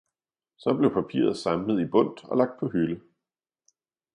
Så blev papiret samlet i bundt og lagt på hylde.